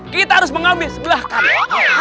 kita harus mengambil sebelah kanan